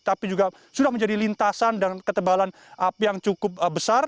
tapi juga sudah menjadi lintasan dan ketebalan api yang cukup besar